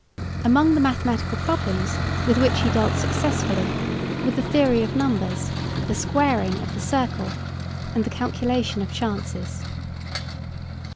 Among the mathematical problems with which he dealt successfully were the theory of numbers, the squaring of the circle and the calculation of chances.